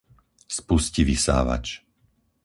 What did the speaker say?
Spusti vysávač.